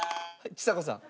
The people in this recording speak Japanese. ちさ子さん。